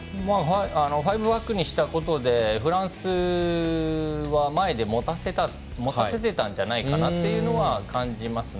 ５バックにしたことによってフランスは前で持たせてたんじゃないかなというのは感じますね。